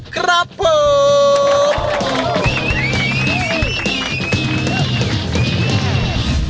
ครับผม